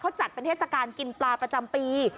เขาจัดเป็นเทศกาลกินปลาประจำปี